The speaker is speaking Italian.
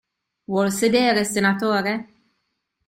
Vuol sedere, senatore?